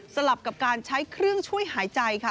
ลับกับการใช้เครื่องช่วยหายใจค่ะ